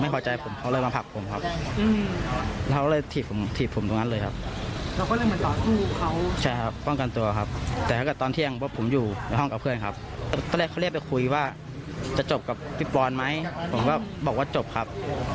พวกเขาก็พากันลงหมดเลยก็กลัวครับ